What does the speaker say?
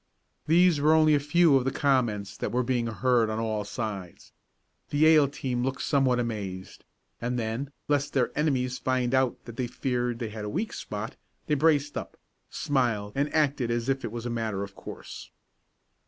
These were only a few of the comments that were being heard on all sides. The Yale team looked somewhat amazed, and then, lest their enemies find out that they feared they had a weak spot, they braced up, smiled and acted as if it was a matter of course.